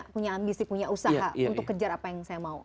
punya ambisi punya usaha untuk kejar apa yang saya mau